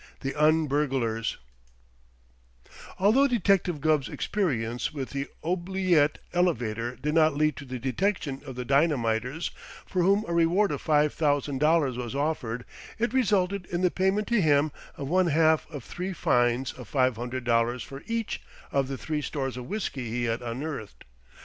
THE UN BURGLARS Although Detective Gubb's experience with the oubliette elevator did not lead to the detection of the dynamiters for whom a reward of five thousand dollars was offered, it resulted in the payment to him of one half of three fines of five hundred dollars for each of the three stores of whiskey he had unearthed.